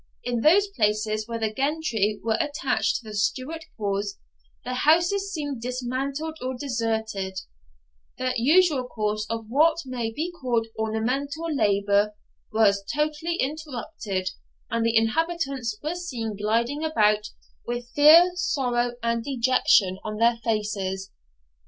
In those places where the gentry were attached to the Stuart cause, their houses seemed dismantled or deserted, the usual course of what may be called ornamental labour was totally interrupted, and the inhabitants were seen gliding about, with fear, sorrow, and dejection on their faces.